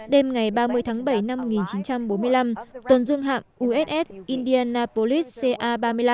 đêm ngày ba mươi tháng bảy năm một nghìn chín trăm bốn mươi năm tuần dương hạm uss indianapolit ca ba mươi năm